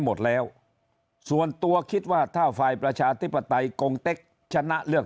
หมดแล้วส่วนตัวคิดว่าถ้าฝ่ายประชาธิปไตยกงเต็กชนะเลือก